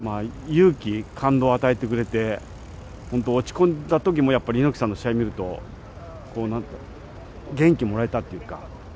猪木さんのプロレスは、勇気、感動を与えてくれて、本当、落ち込んだときもやっぱり猪木さんの試合見ると、元気もらえたっていうか。